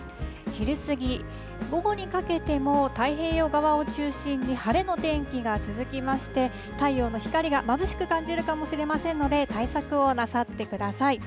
昼過ぎ、午後にかけても太平洋側を中心に、晴れの天気が続きまして、太陽の光がまぶしく感じるかもしれませんので、対策をなさってください。